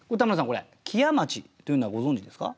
これ「木屋町」というのはご存じですか？